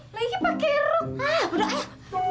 lagi pake erok